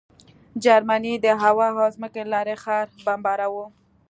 جرمني د هوا او ځمکې له لارې ښار بمباراوه